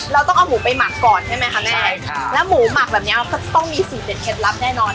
เราต้องเอาหมูไปหมักก่อนใช่ไหมคะแม่ใช่ค่ะแล้วหมูหมักแบบเนี้ยเราก็ต้องมีสูตรเด็ดเคล็ดลับแน่นอน